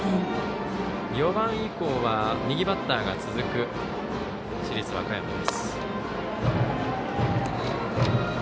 ４番以降は右バッターが続く市立和歌山。